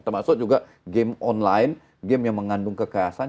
termasuk juga game online game yang mengandung kekerasan